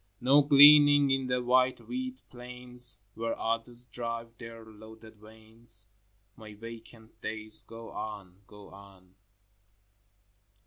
No gleaning in the wide wheat plains Where others drive their loaded wains? My vacant days go on, go on.